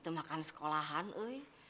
ntumahkan sekolahan ui